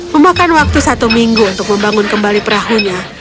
memakan waktu satu minggu untuk membangun kembali perahunya